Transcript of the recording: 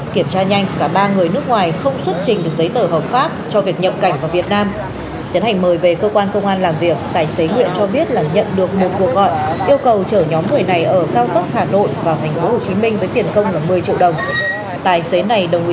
kiểm tra nhanh cả ba người nước ngoài không xuất trình được giấy tờ